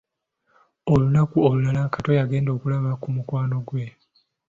Olunaku olulala, Kato yagenda okulaba ku mukwano gwe.